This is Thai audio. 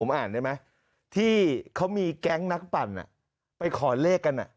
อ่านได้ไหมที่เขามีแก๊งนักปั่นไปขอเลขกัน